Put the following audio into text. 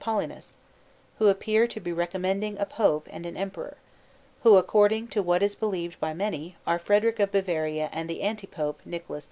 Paulinus who appear to be recommending a Pope and an Emperor, who, according to what is believed by many, are Frederick of Bavaria and the Anti Pope Nicholas V.